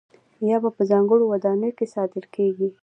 یا به په ځانګړو ودانیو کې ساتل کېدل.